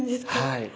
はい。